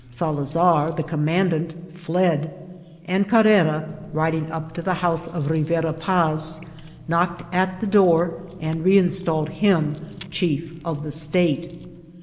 Salazar, the commandant, fled, and Car rera, riding up to the house of Rivera Paz, knocked at the door, and reinstalled him chief of the state.